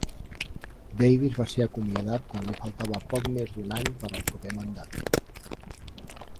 Davis va ser acomiadat quan li faltava poc menys d'un any per al proper mandat.